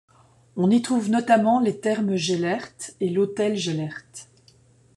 On y trouve notamment les Thermes Gellért et l'Hôtel Gellért.